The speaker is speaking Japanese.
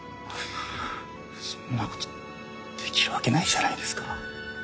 そんなことできるわけないじゃないですか。